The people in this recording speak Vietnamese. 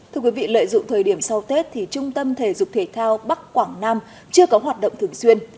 thưa quý vị lợi dụng thời điểm sau tết thì trung tâm thể dục thể thao bắc quảng nam chưa có hoạt động thường xuyên